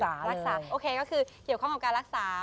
รักษาโอเคก็คือเกี่ยวข้องกับการรักษา